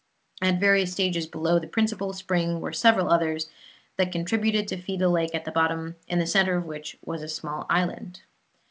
At various stages below the principal spring were several others, that contributed to feed the lake at the bottom, in the centre of which was a small island.